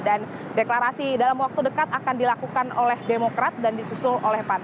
dan deklarasi dalam waktu dekat akan dilakukan oleh demokrat dan disusul oleh pan